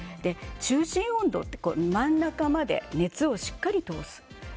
中心温度、真ん中まで熱をしっかり通す。